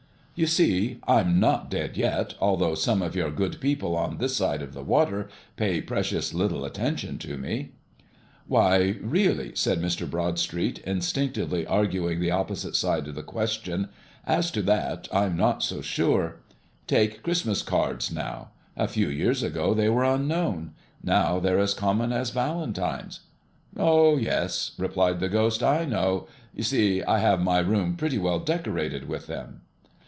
"You see I'm not dead yet, although some of your good people on this side of the water pay precious little attention to me." "Why, really," said Mr. Broadstreet, instinctively arguing the opposite side of the question, "as to that, I'm not so sure. Take Christmas cards, now. A few years ago they were unknown; now they're as common as valentines." "Oh, yes," replied the Ghost, "I know. You see I have my room pretty well decorated with them."